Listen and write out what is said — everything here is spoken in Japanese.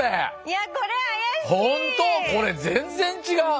これ全然違う。